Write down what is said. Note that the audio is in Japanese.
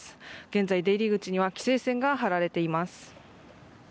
現在、出入り口には規制線が張られています。